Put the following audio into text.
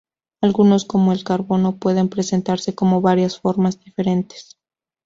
Algunos como el carbono pueden presentarse como varias formas diferentes.